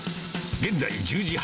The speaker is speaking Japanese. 現在１０時半。